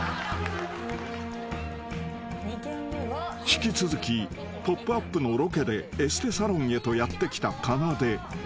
［引き続き『ポップＵＰ！』のロケでエステサロンへとやって来たかなで］